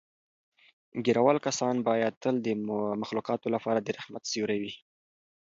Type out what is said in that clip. ږیره وال کسان باید تل د مخلوقاتو لپاره د رحمت سیوری وي.